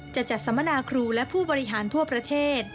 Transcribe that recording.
จะจัดสัมมนาครูและผู้บริหารทั่วประเทศ